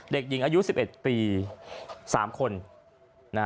เด็กหญิงอายุ๑๑ปี๓คน